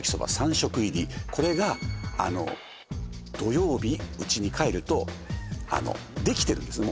食入りこれがあの土曜日うちに帰るとできてるんですね